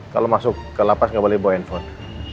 kalau masuk ke lapas nggak boleh bawa handphone